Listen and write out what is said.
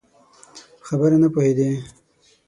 په خبره نه پوهېدی؟